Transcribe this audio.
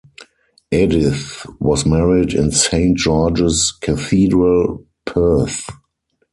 Edith was married in Saint George's Cathedral, Perth.